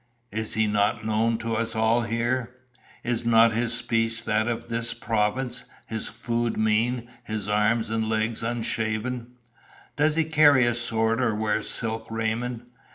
Is he not known to us all here? Is not his speech that of this Province, his food mean, his arms and legs unshaven? Does he carry a sword or wear silk raiment?